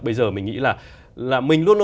bây giờ mình nghĩ là